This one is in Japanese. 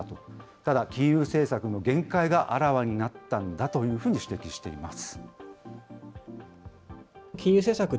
ただ金融政策の限界があらわになったんだというふうに指摘しています。